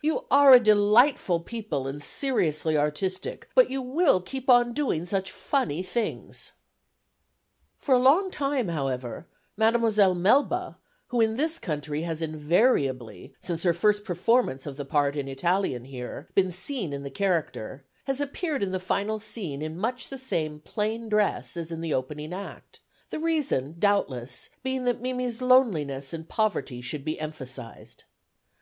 "You are a delightful people and seriously artistic, but you will keep on doing such funny things." For a long time, however, Mdme. Melba, who in this country has invariably, since her first performance of the part in Italian here, been seen in the character, has appeared in the final scene in much the same plain dress as in the opening Act, the reason, doubtless, being that Mimi's loneliness and poverty should be emphasised.